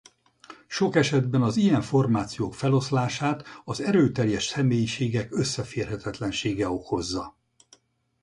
Sok esetben az ilyen formációk feloszlását az erőteljes személyiségek összeférhetetlensége okozza.